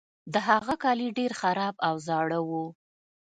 د هغه کالي ډیر خراب او زاړه وو.